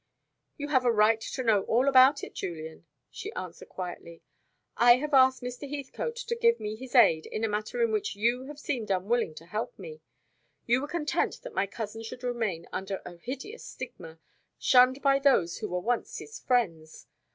"You have a right to know all about it, Julian," she answered quietly. "I have asked Mr. Heathcote to give me his aid in a matter in which you have seemed unwilling to help me. You were content that my cousin should remain under a hideous stigma shunned by those who were once his friends.